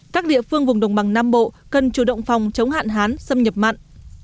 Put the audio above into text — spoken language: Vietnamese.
các địa phương vùng đồng bằng nam bộ cần chủ động phòng chống hạn hán xâm nhập mặn